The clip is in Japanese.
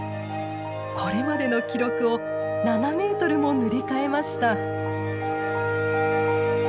これまでの記録を７メートルも塗り替えました。